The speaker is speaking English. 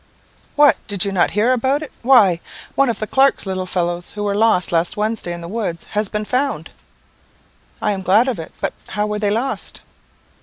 "What! did not you hear about it? Why, one of Clark's little fellows, who were lost last Wednesday in the woods, has been found." "I am glad of it. But how were they lost?"